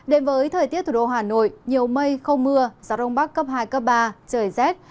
đến với thời tiết thủ đô hà nội nhiều mây không mưa gió đông bắc cấp hai cấp ba trời rét